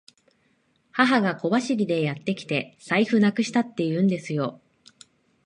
母親が小走りでやってきて、財布なくしたって言うんですよ。